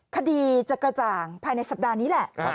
คดีจะกระจ่างภายในสัปดาห์นี้แหละ